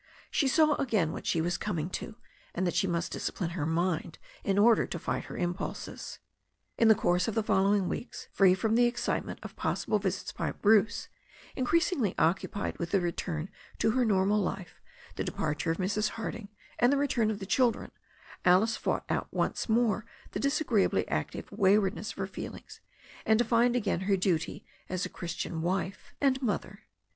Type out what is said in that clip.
She saw again what she was coming to, and that she must discipline her mind in order to fight her impulses. In the course of the following weeks, free from the ex citement of possible visits by Bruce, increasingly occupied with the return to her normal life, the departure of Mrs. Harding and the return of the children, Alice fought out once more the disagreeably active waywardness of her feel ings, and defined again her duty as a Christian wife and mother.